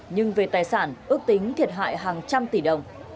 nhưng về tài sản ước tính thiệt hại hàng trăm tỷ đồng